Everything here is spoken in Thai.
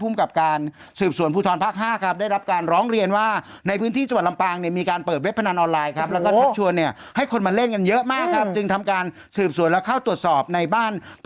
ภูมิกับการสืบสวนภูทรภักดิ์๕ครับได้รับการร้องเรียนว่า